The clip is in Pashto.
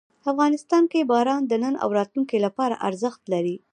افغانستان کې باران د نن او راتلونکي لپاره ارزښت لري.